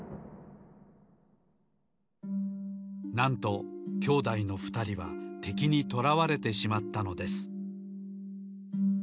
なんと兄弟のふたりはてきにとらわれてしまったのです。